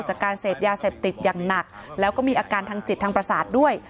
จากการเสพยาเสพติดอย่างหนักแล้วก็มีอาการทางจิตทางประสาทด้วย